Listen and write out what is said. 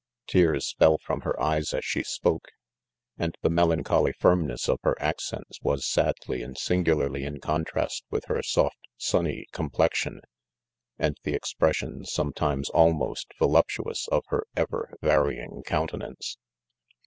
5 ' Tears fell from her eyes as she spoke ; and sadly and singularly in contrast with her soft sunny complexion, and the expression, sometimes almost voluptuous, of her ever va rying countenance.